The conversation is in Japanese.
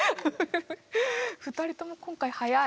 ２人とも今回早い。